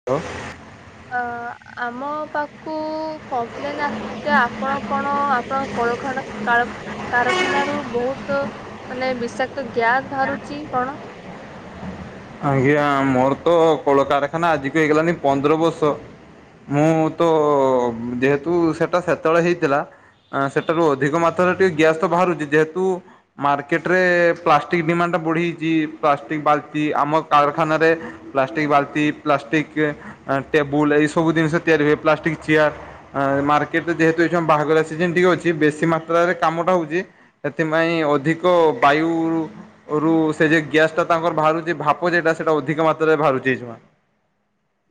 Hello ଆ ଆମ ପାଖକୁ କମ୍ପ୍ଲେନ ଆସି ଚି ଯେ ଆପଣ କଣ ଆପଣ କଳଖାନା କାଳଖ କାରଖାନ ରୁ ବହୁତ ମାନେ ବିଷାକ୍ତ ଗ୍ୟାସ ବାହାରୁଛି କଣ। ଆଜ୍ଞା ମୋର ତ କଳକାରଖାନା ଆଜିିକି ହେଇଗଲାଣିି ପନ୍ଦର ବର୍ଷ। ମୁଁ ତ ଯେହେତୁ ସେଟା ସେତେବେଳେ ହେଇଥିଲା। ଆଁ ସେଠାରୁ ଅଧିକ ମାତ୍ରାରେ ଟିକେ ଗ୍ୟାସ୍ ତ ବାହାରୁଛି ଯେହେତୁ। ମାର୍କେଟ ରେ ପ୍ଲାଷ୍ଟିକ ଡିମାଣ୍ଡା ବଢିଯାଇଛି ପ୍ଲାଷ୍ଟିକ ବାଲଟି ଆମ କାରଖାନାରେ। ପ୍ଲାଷ୍ଟିକ ବାଲ୍ଟି ପ୍ଲାଷ୍ଟିକ ଟେବୁଲ ଏଇ ସବୁ ଜିନିଷ ତିଆରି ହୁଏ ପ୍ଲାଷ୍ଟିକ ଚେୟାର। ଆ ଏ ମାର୍କେଟରେ ଯେହେତୁ ଏ ବାହାଘର ସିଜନ ଟିକେ ଅଛି ବେଶୀ ମାତ୍ରାରେ କାମଟା ହଉଛି। ହେଥିପାଇଁ ଅଧିକ ବାୟୁ ରୁ ସେ ଯେ ଗ୍ୟାସ ଟା ତାଙ୍କର ବାହାରୁଛି। ଯେ ଭାପ ଯେଟା ସେଇଟା ଅଧିକ ମାତ୍ରାରେ ବାହାରୁଛି ଏଇ ଛୁଣା ‌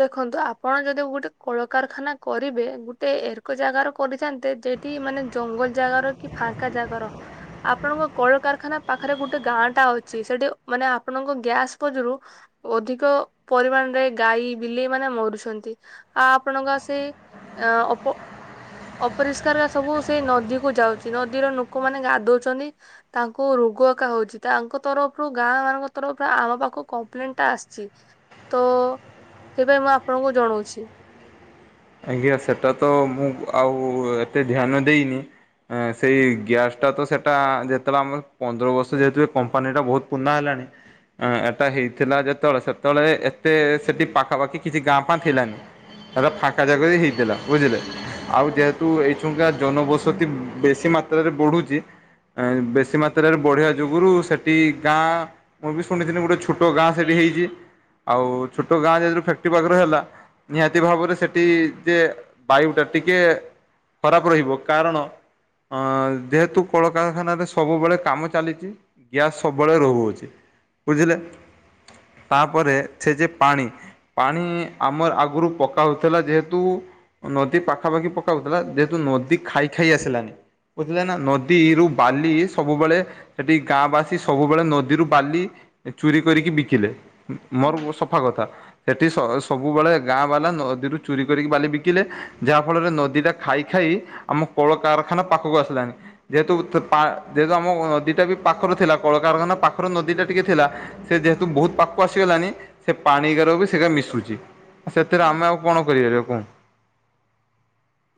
ଦେଖନ୍ତୁ ଆପଣ ଯଦି ଗୋଟେ କଳକାରଖାନା କରିବେ ଗୋଟେ ଏରକ ଜାଗାର କରିଥାନ୍ତେ ଯେ। ମତୀ ମାନେ ଜଙ୍ଗଲ ଜାଗାର କି ଫାଙ୍କା ଜାଗାର। ଆପଣଙ୍କ କଳକାରଖାନା ପାଖରେ ଗୋଟେ ଗାଁ ଟା ଅଛି ସେଠି ମାନେ ଆପଣଙ୍କ ଗ୍ୟାସ ବଜରୁ। ଅଧିକ ପରିମାଣରେ ଗାଈ। ବିଲେଇ ମାନେ ମରୁଛନ୍ତି ଆଉ ଆପଣଙ୍କ ସେ ଅପ ଅପରିଷ୍କାର ରା ସବୁ ସେଇ ନଦୀ କୁ ଯାଉଛି ନଦୀର ଲୋକମାନେ ଗାଧଉଛନ୍ତି। ତାଙ୍କୁ ରୋଗ ଏକା ହଉଚି। ତାଙ୍କ ତରଫରୁ ଗାଁ ମାନଙ୍କ ତରଫରୁ ଆମ ପାଖକୁ କମ୍ପ୍ଲେନ ଟା ଆସିଚି। ତ ସେଥିପାଇଁ ମୁଁ ଆପଣଙ୍କୁ ଜଣାଉଚି। ଆଜ୍ଞା ସେଟା ତ ମୁଁ ଆଉ ଏତେ ଧ୍ୟାନ ଦେଇନି। ସେଇ ଗ୍ୟାସ୍ ଟା ତ ସେଇଟା ଯେତେବେଳେ ଆମର ପନ୍ଦର ବର୍ଷ ଯେହେତୁ କମ୍ପାନୀଟା ବହୁତ ପୁରୁଣା ହେଲାଣି ଅ ଏଟା ହେଇଥିଲା ଯେତେବେଳେ ସେତେବେଳେ ଏତେ ସେଠି ପାଖାପାଖି କିଛି ଗାଁ ଫାଁ ଥିଲାନି। ହେଟା ଫାଙ୍କା ଜାଗ ରେ ବି ହେଇଥିଲା ବୁଝିଲେ। ଆଉ ଯେହେତୁ ଏଇ [unintelligible] ଜନବସତି ବେଶୀ ମାତ୍ରାରେ ବଢୁଚି ବେଶୀ ମାତ୍ରାରେ ବଢ଼ିବା ଯୋଗୁରୁ ସେଠି ଗାଁ ମୁଁ ବି ଶୁଣିଥିଲି ଗୋଟେ ଛୋଟ ଗାଁ ସେଠି ହେଇଚି। ଆଉ ଛୋଟ ଗାଁ ଯେହେତୁ ଫ୍ୟାକ୍ଟ୍ରି ପାଖରେ ହେଲା ନିହାତି ଭାବରେ ସେ [unintelligible] ଯେ ବାୟୁ ଟା ଟିକେ ଖରାପ ରହିବ। କାରଣ ଅ ଯେହେତୁ କଳକାରଖାନାରେ ସବୁବେଳେ କାମ ଚାଲିଚି ଗ୍ୟାସ୍ ସବୁବେଳେ ରହୁଅଛି, ବୁଝିଲେ। ତାପରେ ସେ ଯେ ପାଣି, ପାଣି ଆମର ଆଗରୁ ପକା ହଉ ଥିଲା। ଯେହେତୁ ନଦୀ ପାଖାପାଖି ପକାହଉଥିଲା ଯେହେତୁ ନଦୀ ଖାଇ ଖାଇ ଆସିଲାନି ବୁଝିଲା ନା ନଦୀରୁୁ ବାଲି ସବୁବେଳେ ସେଠି ଗାଁ ବାସୀ ସବୁବେଳେ ନଦୀରୁ ବାଲି ଚୁରି କରିକି ବିକିଲେ। ମୋର ସଫା କଥା। ଏଠି ସ ସବୁବେଳେ ଗାଁ ବାଲା ନଦୀରୁ ଚୁରି କରିକି ବାଲି ବିକିଲେ ଯାହା ଫଳରେ ନଦୀ ଟା ଖାଇ ଖାଇ ଆମ କଳକାରଖାନା ପାଖକୁ ଆସିଲାଣି। ଯେହେତୁ ତ ପା ଯେହେତୁ ଆମ ନଦୀ ଟା ବି ପାଖରେ ଥିଲା କଳକାରଖାନା ପାଖରୁ ନଦୀ ଟା ଟିକେ ଥିଲା ସେ ଯେହେତୁ ବହୁତ ପାଖକୁ ଆସିଗଲାଣିି ସେ ପାଣିିକାର ବି ସେରା ମିଶୁଚି। ସେଥିରେ ଆମେ ଆଉ କଣ କରିପାରିବା କୁହନ୍ତୁ।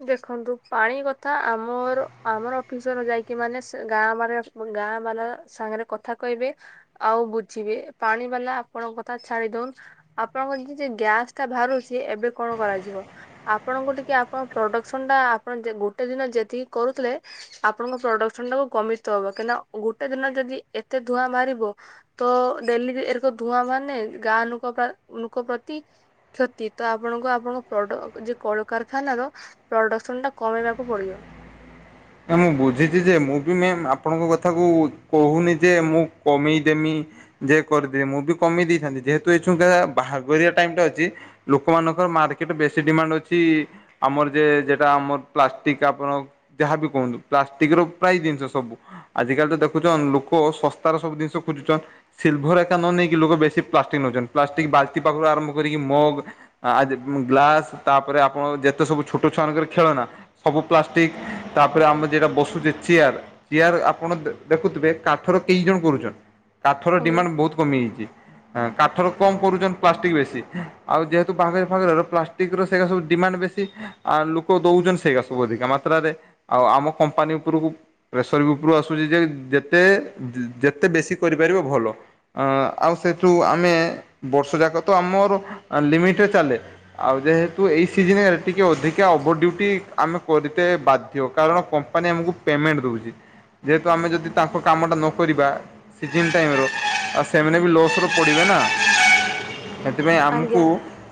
ଦେଖନ୍ତୁ ପାଣି କଥା ଆମର ଆମର ଅଫିସର ଯାଇକି ମାନେ ସେ ଗାଁ ମାନେ ଗାଁ ବାଲା ସାଙ୍ଗରେ କଥା କହିବେ ଆଉ ବୁଝିବେ। ପାଣି ବାଲା ଆପଣଙ୍କ କଥା ଛାଡି ଦଉନ ଆପଣଙ୍କ ଜେ ଜେ ଗ୍ୟାସ ଟା ବାହାରୁଛି ଏବେ କଣ କରାଯିବ ଆପଣଙ୍କୁ ଟିକେ ଆପଣ ପ୍ରଡକ୍ସନ ଟା ଆପଣ ଯେ ଗୋଟେ ଦିନ ଯେତିକି କରୁଥିଲେ ଆପଣଙ୍କ ପ୍ରଡକ୍ସନ ଟାକୁ କମେତ ହବ। କାହିଁନା ଗୋଟେ ଦିନ ରେ ଯଦି ଏତେ ଧୂଆଁ ବାହାରିବ ତ ଡେଲି ଏରକ ଧୂଆଁ ବାହାରୁନାଇ ଗାଁ ଲୋକ ପ୍ରା ଲୋକ ପ୍ରତି କ୍ଷତି ତ ଆପଣଙ୍କ ଆପଣଙ୍କ ପ୍ରଡ ଯେ କଳକାରଖାନାର ପ୍ରଡକ୍ସନ ଟା କମେଇବାକୁ ପଡିବ। ନା ମୁଁ ବୁଝିଛି ଯେ ମୁଁ ବି ମାମ୍ ଆପଣଙ୍କ କଥାକୁ କହୁନି ଯେ ମୁଁ କମେଇ ଦେମି। ଯେ କରିଦେ ମୁଁ ବି କମେଇ ଦେଇଥାନ୍ତି ଯେହେତୁ ଏଛୁଙ୍କା ବାହାଘରିଆ ଟାଇମ୍ ଟା ଅଛି ଲୋକମାନଙ୍କର ମାର୍କେଟରେ ବେଶୀ ଡିମାଣ୍ଡ ଅଛି ଆମର ଯେ ଯେଟା ଆମର ପ୍ଲାଷ୍ଟିକ ଟା ଆପଣ ଯାହା ବିି କୁହନ୍ତୁ ପ୍ଲାଷ୍ଟିକ ର ପ୍ରାୟ ଜିନିଷ ସବୁ। ଆଜିକାଲି ତ ଦେଖୁଛନ ଲୋକ ଶସ୍ତାର ସବୁ ଜିନିଷ ଖୋଜୁଛନ୍। ସିଲଭର ଏକା ନ ନେଇକି ଲୋକ ବେଶୀ ପ୍ଲାଷ୍ଟିକ ନେଉଛନ୍ତି। ପ୍ଲାଷ୍ଟିକ ବାଲଟି ପାଖରୁ ଆରମ୍ଭ କରିକି ମଗ୍ ଆଜ ଉଁ ଗ୍ଲାସ ତାପରେ ଆପଣ ଯେତେ ସବୁ ଛୋଟ ଛୁଆ ମାନଙ୍କରେ ଖେଳନା ସବୁ ପ୍ଲାଷ୍ଟିକ ତାପରେ ଆମର ଯୋଟା ବସୁଚେ ଚେୟାର ଚିୟାର ଆପଣ ଦେ ଦେଖୁଥିବେ କାଠର କେଇ ଜଣ କରୁଛନ୍ କାଠର ଆଜ୍ଞା ଡିମାଣ୍ଡ ବହୁତ କମିଯାଇଚି। କାଠର କମ କରୁଛନ୍ତି ପ୍ଲାଷ୍ଟିକ ବେଶୀ। ଆଉ ଯେହେତୁ ବାହାଘର ଫାହାଘର ରେ ପ୍ଲାଷ୍ ପ୍ଲାଷ୍ଟିକ ର ସେଟା ସବୁ ଡିମାଣ୍ଡ ବେଶୀ ଆ ଲୋକ ଦଉଛନ୍ତି ସେଇଆ ସବୁ ଅଧିକା ମାତ୍ରାରେ। ଆଉ ଆମ କମ୍ପାନୀ ଉପରକୁ ପ୍ରେସର କୁକରୁ ଆସୁଛି ଯେ ଯେତେ ଜେ ଯେତେ ବେଶୀ କରିପାରିବ ଭଲ। ଅ ଆଉ ସେଥିରୁ ଆମେ ବର୍ଷ ଯାକ ତ ଆମର ଲିମିଟରେ ଚାଲେ। ଆଉ ଯେହେତୁ ଏଇ ସିଜିନ ରେ ଟିକେ ଅଧିକା ଓଭର ଡ୍ୟୁଟି ଆମେ କରିତେ ବାଧ୍ ଥିବ। କାରଣ କମ୍ପାନୀ ଆମକୁ ପେମେଣ୍ଟ ଦଉଛି ଯେହେତୁ ଆମେ ଯଦି ତାଙ୍କ କାମଟା ନ କରିବା ସିଜିନ୍ ଟାଇମ ର, ଆଉ ସେମାନେ ବି ଲସରେ ପଡ଼ିବେ ନା। ସେଥିପାଇଁ ଆଜ୍ଞା ଆମକୁ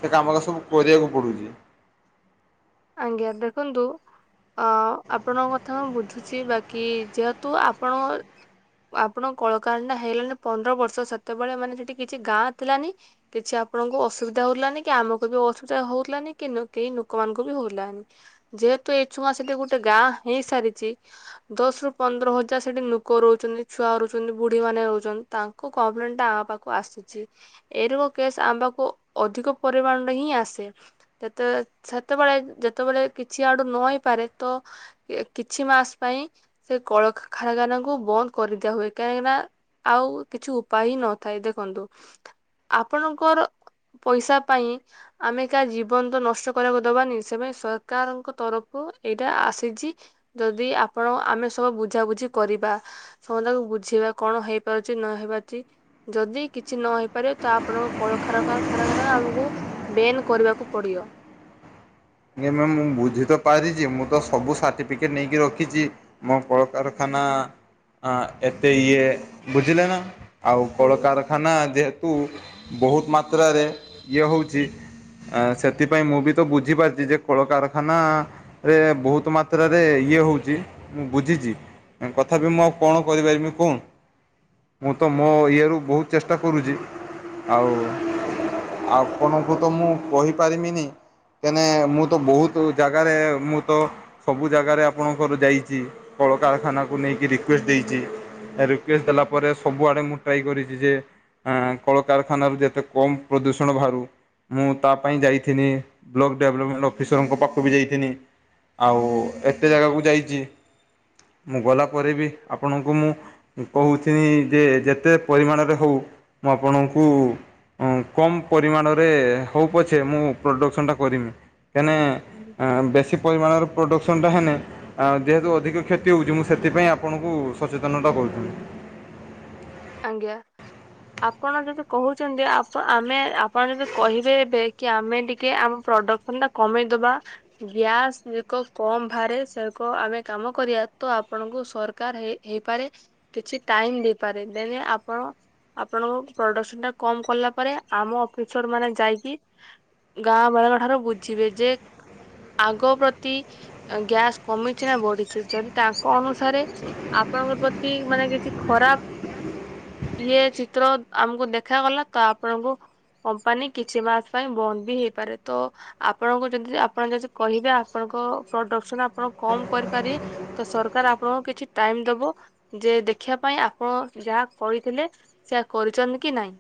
ସେ କାମଟା ସବୁ କରିବାକୁ ପଡୁଛି। ଆଜ୍ଞା ଦେଖନ୍ତୁ ଅ ଆପଣଙ୍କ କଥା ମୁଁ ବୁଝୁଛି ବାକି ଯେହେତୁ ଆପଣ ଆପଣଙ୍କ କଳକାର ଟା ହେଇଗଲାଣି ପନ୍ଦର ବର୍ଷ ସେତେବେଳେ ମାନେ ସେଠି କିଛି ଗାଁ ଥିଲାନି କିଛି ଆପଣଙ୍କୁ ଅସୁବିଧା ହଉଥିଲାନି କି ଆମକୁ ବି ଅସୁବିଧା ହଉଥିଲାନି କି କେହି ଲୋକମାନଙ୍କୁ ବି ହଲାନି ଯେହେତୁ ଏଇ ଛୁ ମାସେ ଗୋଟେ ଗାଁ ହେଇସାରିଛି। ଦଶ ରୁ ପନ୍ଦର ହଜାର ସେଠି ଲୋକ ରହୁଛନ୍ତି ଛୁଆ ରହୁଛନ୍ତି ବୁଢୀ ମାନେ ରହୁଛନ୍ତି ତାଙ୍କୁ କମ୍ପ୍ଲେନଟା ଆମ ପାଖକୁ ଆସୁଛି। ଏ ରୋଗ କେସ୍ ଆମ୍ବାପାଖୁ ଅଧିକ ପରିମାଣରେ ହିଁ ଆସେ ତେ ସେତେ ଯେତେବେଳେ ଯେତେବେଳେ କିଛି ଆଡୁ ନ ହେଇପାରେ ତ କିଛି ମାସ ପାଇଁ ସେ କଳଖାରଖାନା କୁ ବନ୍ଦ କରିଦିଆ ହୁଏ କାହିଁକିନା ଆଉ କିଛି ଉପାୟ ହିଁ ନଥାଏ ଦେଖନ୍ତୁ ଆପଣଙ୍କର ପଇସା ପାଇଁ ଆମେ କାହା ଜୀବନ୍ତ ତ ନଷ୍ଟ କରିବାକୁ ଦବାନି ସେ ପାଇଁ ସରକାରଙ୍କ ତରଫରୁ ଏଇଟା ଆସିଛି। ଯଦି ଆପଣ ଆମେ ସବୁ ବୁଝାବୁଝି କରିବା ସମସ୍ତେ ତାଙ୍କୁ ବୁଝିବା କଣ ହେଇପାରୁଛି ନ ହେଇ ପାରୁଛି ଯଦି କିଛି ନ ହେଇପାରିବ ତ ଆପଣଙ୍କ କଳ ଖାର ଖାରା ଖାର ଆମକୁ ବେନ୍ କରିବାକୁ ପଡିବ। [unintelligible] ମ ମୁଁ ବୁଝି ତ ପାରିଛି ମୁଁ ତ ସବୁ ସାର୍ଟିଫିକେଟ ନେଇକି ରଖିଛି। ମୋ କଳକାରାରଖା ଏତେ ଏ ବୁଝିଲନା? ଆଉ ଆଜ୍ଞା କଳକାରଖାନା ଯେହେତୁ ବହୁତ ମାତ୍ରାରେ ଇଏ ହେଉଛି ଆ ସେଥିପାଇଁ ମୁଁ ବି ତ ବୁଝିପାରୁଛିି। ଯେ କଳକାରଖାନା ରେ ବହୁତ ମାତ୍ରାରେ ଇଏ ହଉଛି ମୁଁ ବୁଝିଛି। କଥା ବିି ମୁଁ କଣ କରିପାରିବି କଣ? ମୁଁ ତ ମୋ ଇଏରୁ ବହୁତ ଚେଷ୍ଟା କରୁଛି ଆଉ ଆଉପଣଙ୍କୁ ତ ମୁଁ କହିପାରିବିନି। ମାନେ ମୁଁ ତ ବହୁତ ଜାଗାରେ ମୁଁ ତ ସବୁ ଜାଗାରେ ଆପଣଙ୍କର ଯାଇଛି କଳକାରଖାନାକୁ ନେଇକି ରିକେଷ୍ଟ ଦେଇଛି ରଷ୍ଟ ଦେଲା ପରେ ସବୁଆଡେ ମୁଁ ଟ୍ରାଏ କରିଛି ଯେ ଆ କଳକାରଖାନାରୁ ଯେତେ କମ ପ୍ରଦୂଷଣ ବାହାରୁ ମୁଁ ତା ପାଇଁ ଯାଇଥିନି ବ୍ଲକ୍ ଡେଭଲପମେଣ୍ଟ ଅଫିସରଙ୍କ ପାଖକୁ ବି ଯାଇଥିନି ଆଉ ଏତେ ଜାଗାକୁ ଯାଇଛି। ମୁଁ ଗଲା ପରେ ବି ଆପଣଙ୍କୁ ମୁଁ କହୁ ଯେ ଯେତେ ପରିମାଣରେ ହେଉ ମୁଁ ଆପଣଙ୍କୁ ହଁ କମ୍ ପରିମାଣରେ ହଉ ପଛେ ମୁଁ ପ୍ରଡ଼କ୍ସନ୍ଟା କରିମି ତେନେ ହୁଁ ବେଶୀ ପରିମାଣର ପ୍ରଡ଼କ୍ସନ୍ଟା ହେନେ ଆଉ ଯେହେତୁ ଅଧିକ କ୍ଷତି ହଉଛି ମୁଁ ସେଥିପାଇଁ ଆପଣଙ୍କୁ ସଚେତନତା କରୁଛି। ଆଜ୍ଞା। ଆପଣ ଯଦି କହୁଛନ୍ତିପ ଆମେ ଆପଣ ଯଦି କହିବେ ଏବେ କି ଆମେ ଟିକେ ଆମ ପ୍ରଡକ୍ଟ ଟା କମେଇଦବା। ଗ୍ୟାସ ଏକ କମ ବାହାରେ ସେକ ଆମେ କାମ କରିବା ତ ଆପଣଙ୍କୁ ସରକାର ହେଇ ହେଇପାରେ କିଛି ଟାଇମ ଦେଇପାରେ ଦେନେ ଆପଣ ଆପଣଙ୍କ ପ୍ରଡକ୍ସନ ଟା କମ କଲା ପରେ ଆମ ଅଫିସର ମାନେ ଯାଇକି ଗାଁ ବେଳଙ୍କ ଠାରୁ ବୁଝିବେ ଯେ ଆଗ ପ୍ରତି ଗ୍ୟାସ୍ କମିଛି ନା ବଢିଛି ଯଦି ତାଙ୍କ ଅନୁସାରେ ଆପଣଙ୍କର ପ୍ରତି ମାନେ କିଛି ଖରାପ ଇଏ ଚିତ୍ର ଆମକୁ ଦେଖାଗଲା ତ ଆପଣଙ୍କୁ କମ୍ପାନୀ କିଛି ମାସ ପାଇଁ ବନ୍ଦ ବି ହେଇପାରେ ତ ଆପଣଙ୍କୁ ଯଦି ଆପଣ ଯଦି କହିବେ ଆପଣଙ୍କ ପ୍ରଡକ୍ସନ ଆପଣ କମ କରିପାରିବେ ତ ସରକାର ଆପଣଙ୍କୁ କିଛି ଟାଇମ ଦବ ଯେ ଦେଖିବା ପାଇଁ ଆପଣ ଯାହା କହିଥିଲେ ସେଆ କରିଛନ୍ତି କି ନାଇ?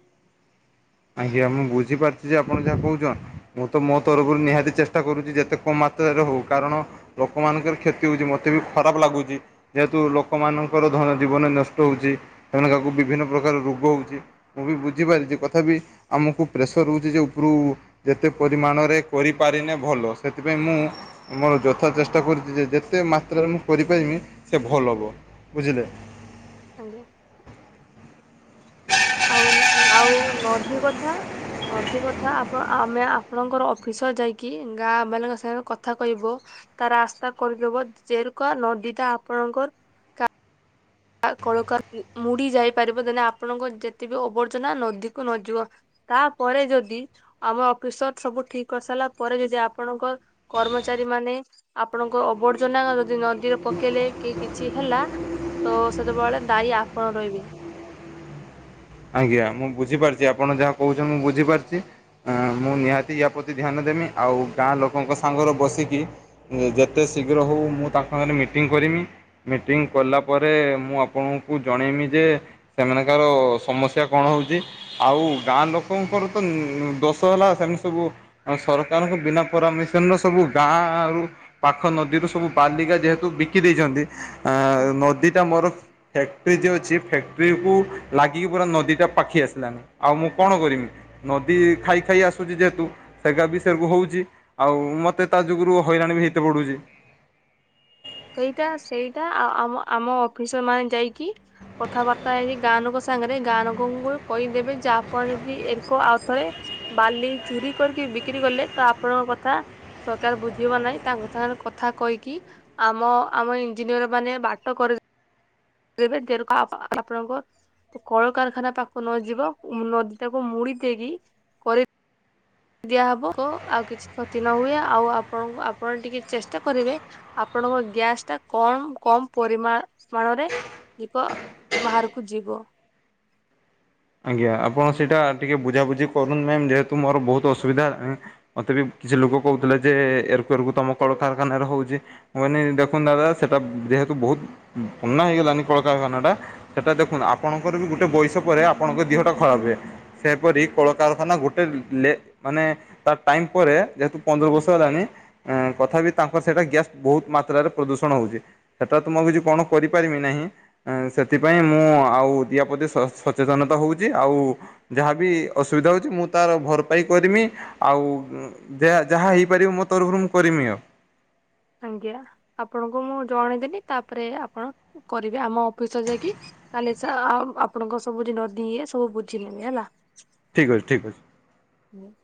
ଆଜ୍ଞା ମୁଁ ବୁଝିପାରୁଚଛି ଯେ ଆପଣ ଯାହା କହୁଛ। ମୁଁ ତ ମୋ ତରଫରୁ ନିହାତି ଚେଷ୍ଟା କରୁଛି ଯେତେ କମ ମାତ୍ରାରେ ହଉ କାରଣ ଲୋକମାନାନଙ୍କର କ୍ଷତି ହଉଛି ମତେ ବି ଖରାପ ଲାଗୁଛି। ଯେହେତୁ ଲୋକମାନଙ୍କର ଜୀବନ ନଷ୍ଟ ହଉଛି ସେମାନେ କାହାକୁ ବିଭିନ୍ନ ପ୍ରକାର ରୋଗ ହଉଛି। ମୁଁ ବି ବୁଝିପାରି ଯେ କଥା ବି ଆମକୁ ପ୍ରେସର ରଉଛି ଯେ ଉପରୁ ଯେତେ ପରିମାଣରେ କରିପାରିନେ ଭଲ ସେଥିପାଇଁ ମୁଁ ମୋର ଯଥା ଚେଷ୍ଟା କରୁଛି ଯେ ଯେତେ ମାତ୍ରାରେ ମୁଁ କରିପାରିବି ସେ ଭଲ ହେବ ବୁଝିଲେ? ଆଜ୍ଞା। ଆଉ ଆଉ ନଦୀ କଥା ନଦୀ କଥା ଆପଣ ଆମେ-ଆପଣଙ୍କର ଅଫିସ ଯାଇକି ଗାଁ ମଲାଙ୍କ ସାଙ୍ଗରେ କଥା କହିବ। ତାର ରାସ୍ତା କରିଦବ ଯେରୁକା ନଦୀ ଟା ଆପଣଙ୍କର କଳକା ମୁଡି ଯାଇ ପାରିବ ଦେନେ ଆପଣଙ୍କ ଯେତେବି ଅବର୍ଜନା ନଦୀକୁ ନଯିବ। ତାପରେ ଯଦି ଆମ ଅଫିସର ସବୁ ଠିକ କରିସାରିଲା ପରେ ଯଦି ଆପଣଙ୍କ କର୍ମଚାରୀ ମାନେ ଆପଣଙ୍କ ଆବର୍ଜନା ଯଦି ନଦୀରେ ପକେଇଲେ କି କିଛି ହେଲା ତ ସେତେବେଳେ ବଳେ ଦାୟୀ ଆପଣ ରହିବେ। ଆଜ୍ଞା ମୁଁ ବୁଝିପାରୁଛି ଆପଣ ଯାହା କହୁଛନ୍ତି ମୁଁ ବୁଝିପାରୁଛି। ମୁଁ ନିହାତି ୟା ପ୍ରତି ଧ୍ୟାନ ଦେମି ଆଉ ଗାଁ ଲୋକଙ୍କ ସାଙ୍ଗରେ ବସିକି ଯେତେ ଶୀଘ୍ର ହଉ ମୁଁ ତାଙ୍କ ସାଙ୍ଗରେ ମିଟିଂ କରମି। ମିଟିଂ କଲା ପରେ ମୁଁ ଆପଣଙ୍କୁ ଜଣେଇମି ଯେ ସେମାନଙ୍କର ସମସ୍ୟା କଣ ହଉଛି ଆଉ ଗାଁ ଲୋକଙ୍କର ତ ଦୋଷ ହେଲା ସେମିତି ସବୁ ଆଉ ସରକାରଙ୍କ ବିନା ପରମିସନ ର ସବୁ ଗାଁ ଆଉ ପାଖ ନଦୀରୁ ସବୁ ବାଲିକା ଯେହେତୁ ବିକି ଦେଇଛନ୍ତି। ଆ ହଁ ନଦୀ ଟା ମୋର ଫ୍ୟାକ୍ଟ୍ରି ଯ ଅଛି ଫ୍ୟାକ୍ଟ୍ରିକୁ ଲାଗି ଆଟିକି ପୁରା ନଦୀଟା ପାଖି ଆସିଲାନି ଆଉ ମୁଁ କଣ ଆଜ୍ଞା। କରିମି ନଦୀ ଖାଇ ଖାଇ ଆସୁଛି ଯେହେତୁ ସେଟା ବି ସେରକୁ ହଉଛି ଆଉ ମତେ ତା ଯୁଗୁରୁ ହଇରାଣ ବି ହେଇତ ପଡୁଛି। ସେଇଟା ସେଇଟା ଆଉ ଆମ ଆମ ଅଫିସର ମାନେ ଯାଇକି କଥାବାର୍ତ୍ତା ହେଇଛି ଗାଁାନଙ୍କ ସାଙ୍ଗରେ ଗାାନୋକଙ୍କୁ କହିଦେବେ ଯାହାପଣ ଯଦି ଏକ ଆଉ ଥରେ ବାଲି ଝୁରରି କରିକି ବିକ୍ରି କଲେ ତ ଆପଣଙ୍କ କଥା ସରକାର ବୁଝିବ ନାହିଁ ତାଙ୍କ ସାଙ୍ଗରେ କଥା କହିକି ଆମ ଆମ ଇଞ୍ଜିନିୟର ମାନେ ବାଟ କରି ଏବେତି ଆପଣଙ୍କ କଳକାରଖାନା ପାଖ ନ ଯିବ ନଦୀ ଟାକୁ ମୁଡି ଦେଇକି କରି ଦିଆହବ ଆଉ କିଛି କ୍ଷତି ନ ହୁଏ ଆଉ ଆପଣଙ୍କୁ ଆପଣ ଟିକେ ଚେଷ୍ଟା କରିବେ ଆପଣଙ୍କ ଗ୍ୟାସ ଟା କମ କମ ପରିମା ମଣରେ ଯିକ ବାହାରକୁ ଯିବ। ଆଜ୍ଞା ଆପଣ ସେଇଟା ଟିକେ ବୁଝାାବୁଝି କରୁନ୍ତ ମ୍ୟା ଯେହେତୁ ମୋର ବହୁତ ଅସୁବିଧା। ମତେ ବି କିଛି ଲୋକ କହୁଥିଲେ ଯେ ଏରକୁ ଏରକୁ ତମ କଳକାରଖାନାରେ ହଉଛି। ମାନି ଦେଖୁ ଦାଦା ସେଟା ଯେହେତୁ ବହୁତ ପୁ ହେଇଗଲାନି କଳକାରଖାନା ଟା ସେଟା ଦେଖୁନୁ ଆପଣଙ୍କର ବି ଗୋଟେ ବୟସ ପରେ ଆପଣଙ୍କ ଦେିହ ଟା ଖରାପ ହୁଏ ସେପରି କଳକାରଖାନା ଗୋଟେ ମାନେ ତା ଟାଇମ ପରେ ଯେହେତୁ ପନ୍ଦର ବର୍ଷ ହେଲାଣି ତଥାପି ତାଙ୍କର ସେଇଟା ଗ୍ୟାସ୍ ବହୁତ ମାତ୍ରାରେ ପ୍ରଦୂଷଣ ହଉଛି। ସେଟା ତ ମୁଁ କିଛି କଣ କରିପାରିବି ନାହିଁ ସେଥିପାଇଁ ମୁଁ ଆଉ ଦିଆ ପ୍ରତି ସଚେତନତା ହେଉଛି ଆଉ ଯାହାବି ଅସୁବିଧା ହଉଛି ମୁଁ ତାର ଭରପାଇ କରିମି ଆଉ ଯାହା ଯାହା ହେଇପାରିବ ମୋ ତରଫରୁ ମୁଁ କରିମି ଆଉ। ଆଜ୍ଞା ଆପଣଙ୍କୁ ମୁଁ ଜଣେଇଦେିନି ତାପରେ ଆପଣ କରିବେ ଆମ ଅଫିସ ଯାଇକି କାଲେ ଆପଣଙ୍କ ସବୁ ଯ ନଦୀ ଏ ସବୁ ବୁଝି ନେବେ ହେଲା। ଠିକ ଅଛି ଠିକ ଅଛି। [unintelligible]